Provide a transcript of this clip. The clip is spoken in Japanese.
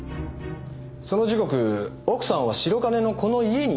その時刻奥さんは白金のこの家にいたはずですよね？